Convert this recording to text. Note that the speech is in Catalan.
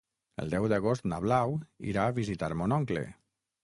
El deu d'agost na Blau irà a visitar mon oncle.